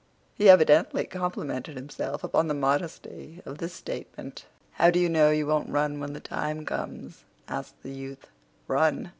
He evidently complimented himself upon the modesty of this statement. "How do you know you won't run when the time comes?" asked the youth. "Run?"